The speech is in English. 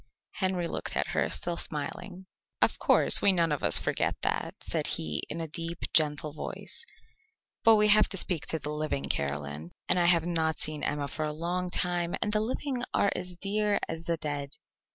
Henry looked at her, still smiling. "Of course, we none of us forget that," said he, in a deep, gentle voice, "but we have to speak to the living, Caroline, and I have not seen Emma for a long time, and the living are as dear as the dead."